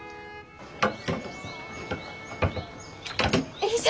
よいしょ！